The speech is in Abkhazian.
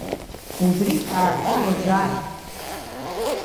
Убригь аадыруазааит…